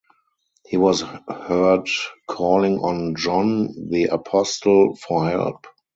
He was heard calling on John the Apostle for help.